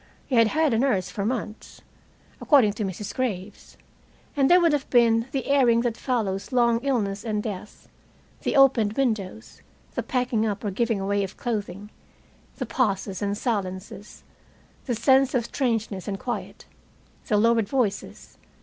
He had had a nurse for months, according to Mrs. Graves. And there would have been the airing that follows long illness and death, the opened windows, the packing up or giving away of clothing, the pauses and silences, the sense of strangeness and quiet, the lowered voices.